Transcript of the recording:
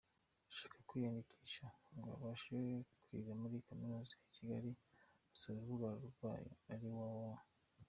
Ushaka kwiyandikisha ngo ubashe kwiga muri Kaminuza ya Kigali, yasura urubuga rwayo arirwo www.